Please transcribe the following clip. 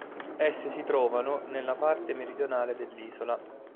Esse si trovano nella parte meridionale dell'isola.